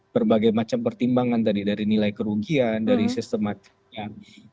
berbagai macam pertimbangan tadi dari nilai kerugian dari sistematik yang